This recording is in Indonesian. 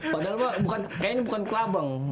padahal pak kayaknya bukan kelabang